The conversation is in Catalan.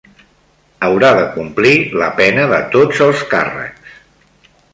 Haurà de complir la pena de tots els càrrecs.